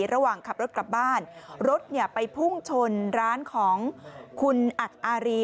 ระหว่างขับรถกลับบ้านรถไปพุ่งชนร้านของคุณอัดอารี